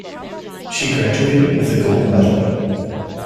She graduated with a gold medal.